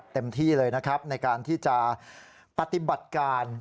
เต็มที่เลยนะครับในการที่จะปฏิบัติการ